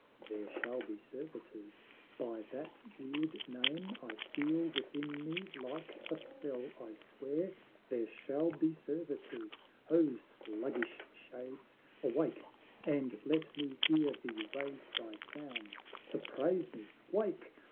There shall be servitors, by that weird name I feel within me like a spell; I swear There shall be servitors; ho, sluggish shades Awake, and let me hear thee raise thy sounds To praise me! Wake!